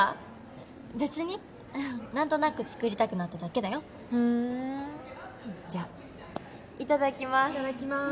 えっ別になんとなく作りたくなっただけだよふんじゃあいただきますいただきます